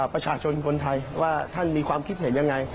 ประชาชนคนไทยว่าท่านมีความคิดเห็นยังไง